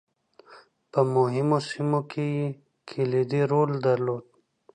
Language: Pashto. په مهمو سیمو کې یې کلیدي رول درلود.